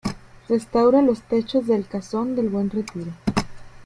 Restaura los techos del Casón del Buen Retiro.